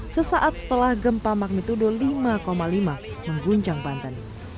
sesaat setelah gempa magnitudo lima lima mengguncang banten